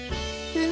うん。